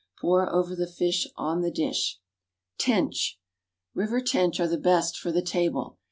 Pour over the fish on the dish. =Tench.= River tench are the best for the table.